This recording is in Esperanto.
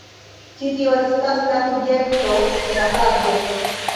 Ĉi tio estas la subjekto de la frazo.